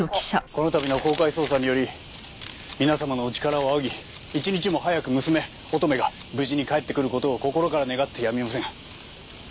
このたびの公開捜査により皆様のお力を仰ぎ一日も早く娘乙女が無事に帰ってくる事を心から願ってやみません。